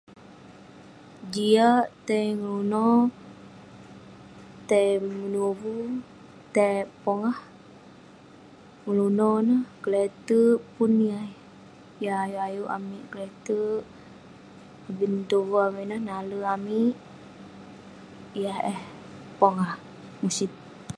Jiak tai ngeluno, tai menuvu, tai- pongah ngeluno ineh, keleterk. Pun yah ayuk ayuk amik keleterk. [unintelligible] yah eh pongah musit.